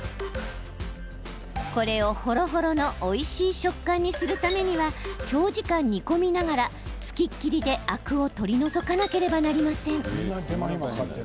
これを、ほろほろのおいしい食感にするためには長時間、煮込みながら付きっきりでアクを取り除かなければなりません。